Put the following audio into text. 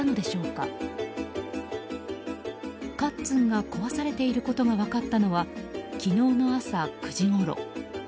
かっつんが壊されているのが分かったのは昨日の朝９時ごろ。